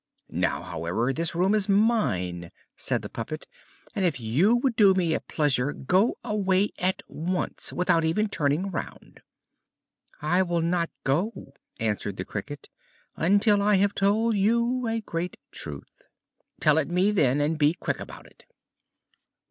"Now, however, this room is mine," said the puppet, "and if you would do me a pleasure go away at once, without even turning round." "I will not go," answered the Cricket, "until I have told you a great truth." "Tell it me, then, and be quick about it."